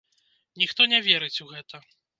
Ніхто не верыць у гэта.